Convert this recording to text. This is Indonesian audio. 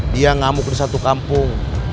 dia ngamuk di satu kampung